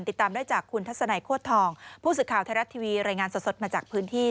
ติดตามได้จากคุณทัศนัยโคตรทองผู้สื่อข่าวไทยรัฐทีวีรายงานสดมาจากพื้นที่